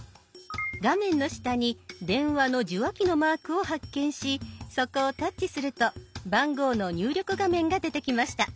画面の下に電話の受話器のマークを発見しそこをタッチすると番号の入力画面が出てきました。